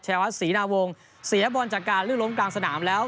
วัดศรีนาวงศ์เสียบอลจากการลื่นล้มกลางสนามแล้ว